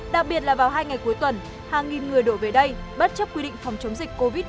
đặc biệt là vào hai ngày cuối tuần hàng nghìn người đổ về đây bất chấp quy định phòng chống dịch covid một mươi chín